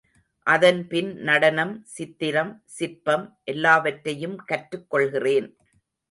அதன் பின் நடனம், சித்திரம், சிற்பம் எல்லாவற்றையும் கற்றுக் கொள்கிறேன்.